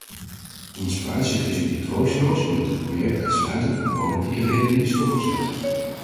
Ons vooruitzicht is nu troosteloos omdat het project uitsluitend om politieke redenen is stopgezet.